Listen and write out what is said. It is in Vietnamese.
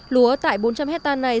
lúa tại bốn trăm linh hecta này